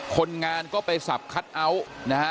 คนงานก็ไปสับคัทเอาท์นะฮะ